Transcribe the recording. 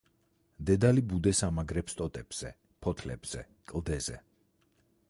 დედალი ბუდეს ამაგრებს ტოტებზე, ფოთლებზე, კლდეზე.